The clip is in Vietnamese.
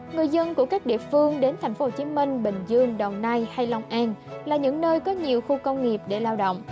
người dân của các địa phương đến tp hcm bình dương đồng nai hay long an là những nơi có nhiều khu công nghiệp để lao động